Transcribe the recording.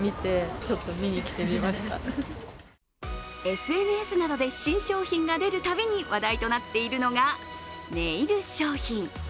ＳＮＳなどで新商品が出るたびに話題となっているのがネイル商品。